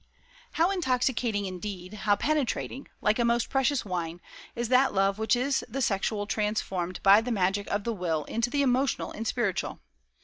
"How intoxicating, indeed, how penetrating like a most precious wine is that love which is the sexual transformed by the magic of the will into the emotional and spiritual!